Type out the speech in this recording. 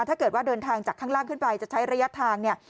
ถ้าเกิดว่าเดินทางจากข้างล่างขึ้นไปจะใช้ระยะทางเนี่ย